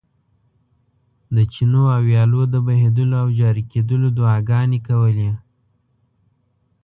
د چینو او ویالو د بهېدلو او جاري کېدلو دعاګانې کولې.